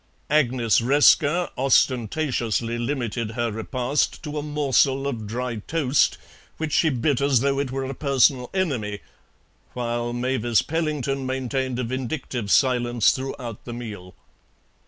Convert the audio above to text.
Agnes Resker ostentatiously limited her repast to a morsel of dry toast, which she bit as though it were a personal enemy; while Mavis Pellington maintained a vindictive silence throughout the meal.